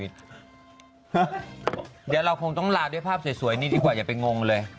เดี๋ยวเราคงต้องลาด้วยภาพสวยนี่ดีกว่าอย่าไปงงเลย